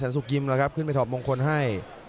แซนสุกริมล่ะครับขึ้นไปถอดมงคลให้